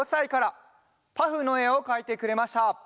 「パフ」のえをかいてくれました。